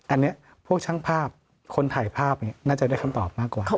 อันนี้พวกช่างภาพคนถ่ายภาพน่าจะได้คำตอบมากกว่า